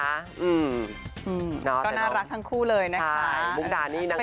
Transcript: อืมน้องเซนต้องใช่มุกดานี่นางเอก